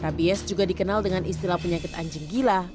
rabies juga dikenal dengan istilah penyakit anjing gila